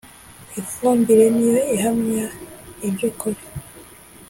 ifumbire niyo ihamya ibyukuri.